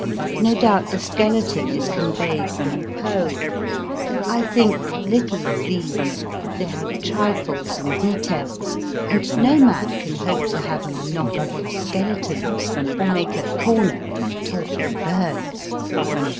No doubt the skeleton is conveyed from Poe. I think little of these, they are trifles and details ; and no man can hope to have a monopoly of skeletons or make a corner in talking birds.